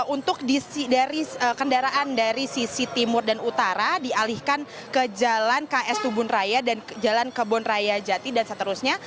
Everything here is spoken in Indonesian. untuk kendaraan dari sisi timur dan utara dialihkan ke jalan ks tubun raya dan jalan kebon raya jati dan seterusnya